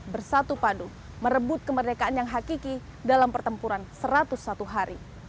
bersatu padu merebut kemerdekaan yang hakiki dalam pertempuran satu ratus satu hari